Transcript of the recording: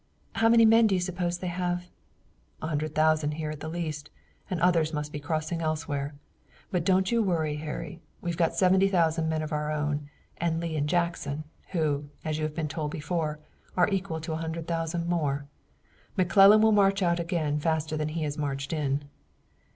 "How many men do you suppose they have?" "A hundred thousand here at the least, and others must be crossing elsewhere. But don't you worry, Harry. We've got seventy thousand men of our own, and Lee and Jackson, who, as you have been told before, are equal to a hundred thousand more. McClellan will march out again faster than he has marched in."